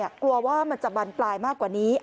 กลัวว่ามันจะบรรปลายมากกว่านี้